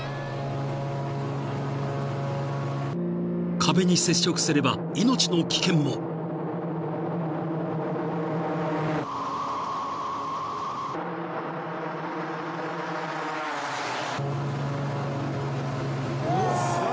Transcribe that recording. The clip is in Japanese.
［壁に接触すれば命の危険も］イエー！